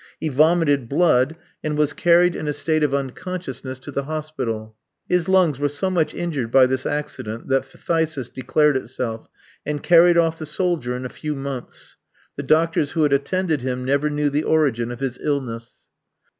He vomited blood, and was carried in a state of unconsciousness to the hospital. His lungs were so much injured by this accident that phthisis declared itself, and carried off the soldier in a few months. The doctors who had attended him never knew the origin of his illness.